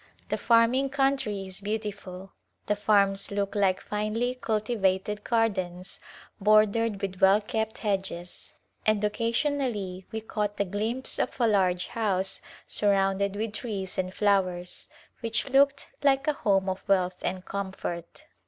The farming country is beautiful ; the farms look like finely cultivated gardens bordered with well kept hedges, and occasionally we caught a glimpse of a large house surrounded with trees and flowers, which looked like a home of wealth and comfort.